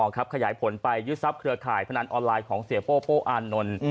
ขยายผลไปยึดทรัพย์เครือข่ายพนันออนไลน์ของเสียโป้โป้อานนท์